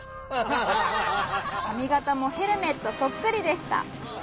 「かみがたもヘルメットそっくりでした」。